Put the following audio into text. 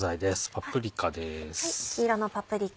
パプリカです。